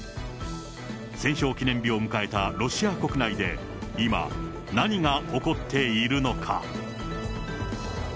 戦勝記念日を迎えたロシア国内で、今、何が起こっているのか。